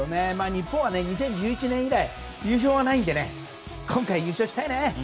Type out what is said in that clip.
日本は２０１１年以来優勝がないので今回は優勝したいね。